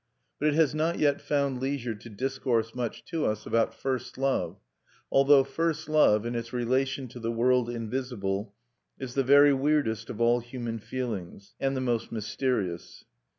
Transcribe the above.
But it has not yet found leisure to discourse much to us about first love, although first love, in its relation to the world invisible, is the very weirdest of all human feelings, and the most mysterious.